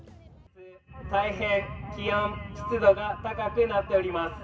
大変気温、湿度が高くなっております。